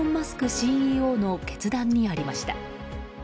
ＣＥＯの決断にありました。